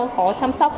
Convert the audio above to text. khó chăm sóc